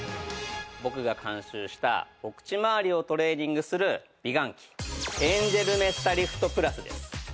僕が監修したお口まわりをトレーニングする美顔器エンジェルメッサリフトプラスです。